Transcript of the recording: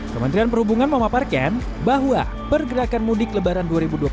kementerian perhubungan memaparkan bahwa pergerakan mudik lebaran dua ribu dua puluh satu